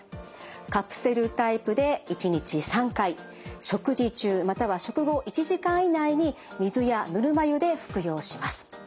カプセルタイプで１日３回食事中または食後１時間以内に水やぬるま湯で服用します。